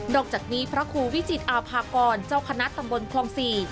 นอกจากนี้พระครูวิจิตรอภากรเจ้าคณะตำรวจครองสี่